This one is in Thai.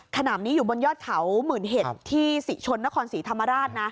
ขณะนี้อยู่บนยอดเขาหมื่นเห็ดที่ศรีชนนครศรีธรรมราชนะ